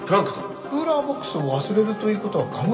クーラーボックスを忘れるという事は考えにくい。